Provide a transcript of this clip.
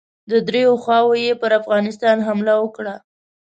د دریو خواوو یې پر افغانستان حمله وکړه.